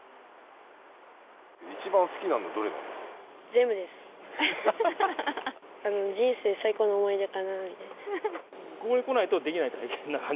一番好きなのどれなんですか。